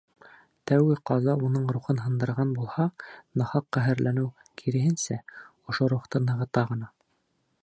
Тәүге ҡаза уның рухын һындырған булһа, нахаҡ ҡәһәрләнеү, киреһенсә, ошо рухты нығыта ғына.